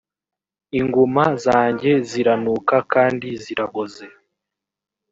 inguma zanjye ziranuka kandi ziraboze